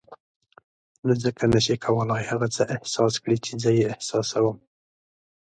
نو ځکه نه شې کولای هغه څه احساس کړې چې زه یې احساسوم.